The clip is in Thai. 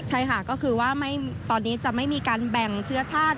ใช่ค่ะก็คือว่าตอนนี้จะไม่มีการแบ่งเชื้อชาติ